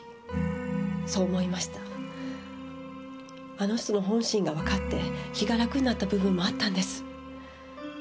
あの人の本心がわかって気が楽になった部分もあったんです。